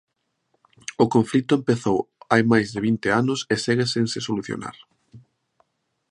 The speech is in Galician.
O conflito empezou hai máis de vinte anos e segue sen se solucionar.